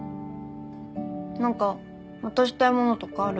何か渡したいものとかある？